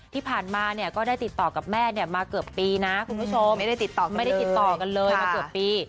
ที่ผ่านมาเนี่ยก็ได้ติดต่อกับแม่เนี่ยมาเกือบปีนะคุณผู้ชมไม่ได้ติดต่อไม่ได้ติดต่อกันเลยมาเกือบปี